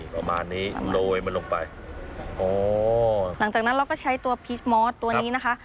ประมาณนี้โรยมันลงไปโอ้หลังจากนั้นเราก็ใช้ตัวพีชมอสตัวนี้นะคะ